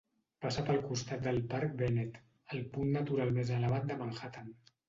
Passa pel costat del parc Bennett, el punt natural més elevat de Manhattan.